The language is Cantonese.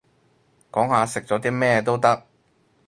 講下食咗啲咩都得